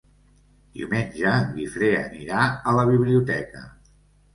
Diumenge en Guifré anirà a la biblioteca.